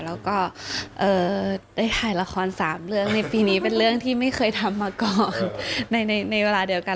แล้วก็ได้ถ่ายละคร๓เรื่องในปีนี้เป็นเรื่องที่ไม่เคยทำมาก่อนในเวลาเดียวกัน